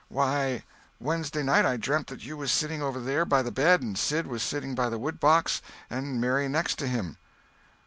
"Why, Wednesday night I dreamt that you was sitting over there by the bed, and Sid was sitting by the woodbox, and Mary next to him."